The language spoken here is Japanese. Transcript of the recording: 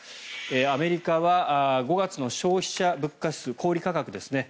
アメリカは５月の消費者物価指数小売価格ですね